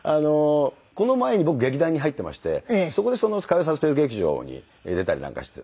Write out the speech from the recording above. この前に僕劇団に入っていましてそこで火曜サスペンス劇場に出たりなんかして。